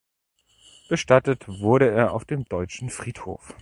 Bestattet wurde er auf dem deutschen Friedhof.